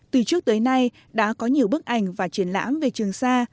từ trước tới nay đã có nhiều bức ảnh và chương trình